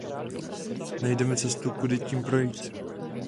Najdeme cestu, kudy tím projít.